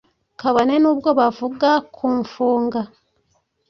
Kabone nubwo bavuga kumfunga